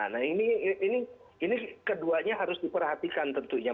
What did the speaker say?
nah ini keduanya harus diperhatikan tentunya